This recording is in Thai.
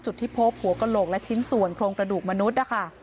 จุดที่พบหัวกลงและชิ้นส่วนโครงกระดูกมนุษย์